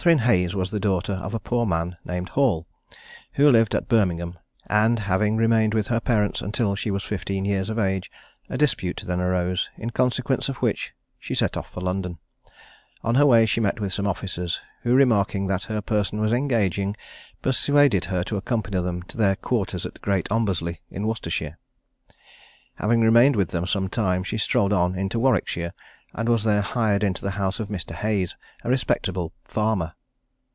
Catherine Hayes was the daughter of a poor man named Hall, who lived at Birmingham, and having remained with her parents until she was fifteen years of age, a dispute then arose, in consequence of which she set off for London. On her way she met with some officers, who, remarking that her person was engaging, persuaded her to accompany them to their quarters at Great Ombersley, in Worcestershire. Having remained with them some time, she strolled on into Warwickshire, and was there hired into the house of Mr. Hayes, a respectable farmer.